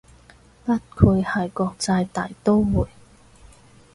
不愧係國際大刀會